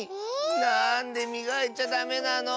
なんでみがいちゃダメなの？